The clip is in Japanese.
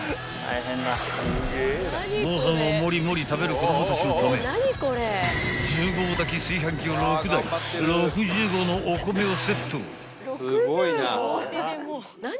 ［ご飯をもりもり食べる子供たちのため１０合炊き炊飯器を６台６０合のお米をセット］